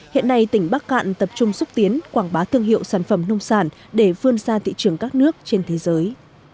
hiện nay tỉnh bắc cạn tập trung xúc tiến quảng bá thương hiệu sản phẩm nông sản để phương xa thị trường các nước trên thế giới